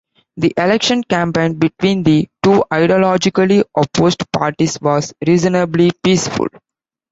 The election campaign between the two ideologically opposed parties was reasonably peaceful.